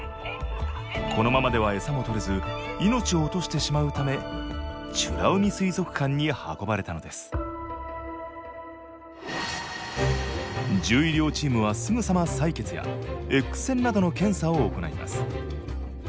このままでは餌もとれず命を落としてしまうため美ら海水族館に運ばれたのです獣医療チームはすぐさま採血やＸ線などの検査を行います。